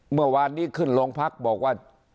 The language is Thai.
เมื่อวานนี้ขึ้นโรงพักบอกว่า